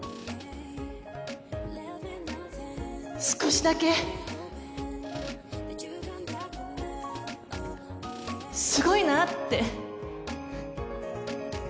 少しだけすごいなって。